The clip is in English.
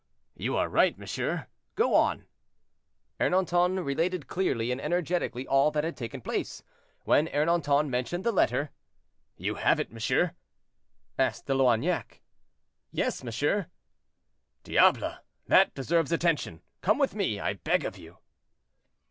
"You are right, monsieur, go on." Ernanton related clearly and energetically all that had taken place. When Ernanton mentioned the letter: "You have it, monsieur?" asked De Loignac. "Yes, monsieur." "Diable! that deserves attention; come with me, I beg of you."